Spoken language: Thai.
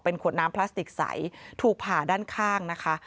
ขวดน้ำพลาสติกใสถูกผ่าด้านข้างนะคะ